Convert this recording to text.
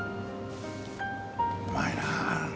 うまいなあ。